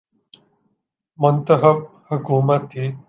منتخب حکومت تھی۔